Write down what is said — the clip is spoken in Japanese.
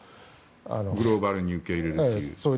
グローバルに受け入れるという。